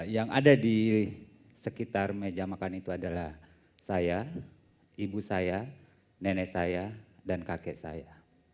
yang ada di sekitar meja makan itu adalah saya ibu saya nenek saya dan kakek saya